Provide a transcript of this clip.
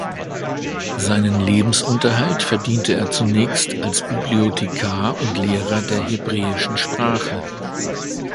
Seinen Lebensunterhalt verdiente er zunächst als Bibliothekar und Lehrer der Hebräischen Sprache.